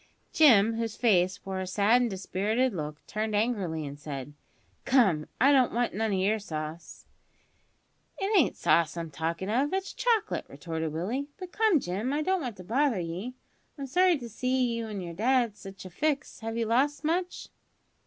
Jim, whose face wore a sad and dispirited look, turned angrily and said, "Come, I don't want none o' your sauce!" "It ain't sauce I'm talkin' of, it's chocolate," retorted Willie. "But come, Jim, I don't want to bother ye. I'm sorry to see you an yer dad in sitch a fix. Have you lost much?"